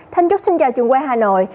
thành trúc xin chào trường quân hà nội